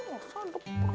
oh oh oh oh masa depan